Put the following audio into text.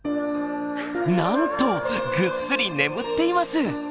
なんとぐっすり眠っています！